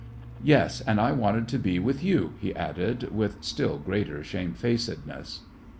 Yes, and I wanted to be with you," he added, with still greater shame faced ness.